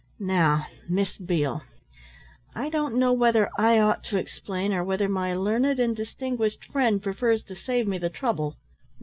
"Now Miss Beale, I don't know whether I ought to explain or whether my learned and distinguished friend prefers to save me the trouble."